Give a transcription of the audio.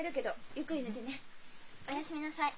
おやすみなさい。